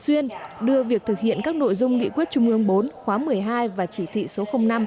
xuyên đưa việc thực hiện các nội dung nghị quyết trung ương bốn khóa một mươi hai và chỉ thị số năm